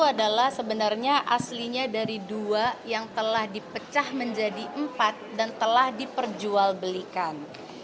itu adalah sebenarnya aslinya dari dua yang telah dipecah menjadi empat dan telah diperjualbelikan